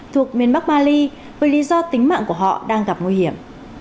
thuộc miền bắc mali với lý do tính mạng của họ đang gặp nguy hiểm